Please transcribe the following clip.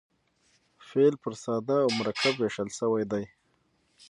فعل پر ساده او مرکب وېشل سوی دئ.